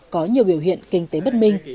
có nhiều biểu hiện kinh tế bất minh